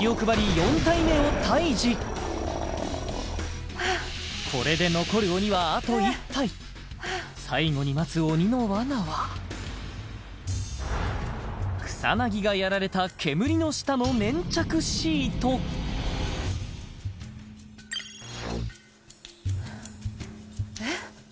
４体目をタイジこれで残る鬼はあと１体最後に待つ鬼の罠は草薙がやられた煙の下の粘着シートえっ？